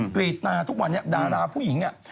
กรีดตาทุกวันนี้ดาราผู้หญิงเนี่ย